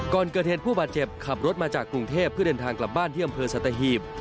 ก่อนเกิดเหตุผู้บาดเจ็บขับรถมาจากกรุงเทพเพื่อเดินทางกลับบ้านที่อำเภอสัตหีบ